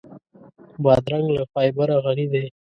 بادرنګ له فایبره غني دی.